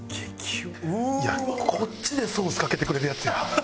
こっちでソースかけてくれるやつや。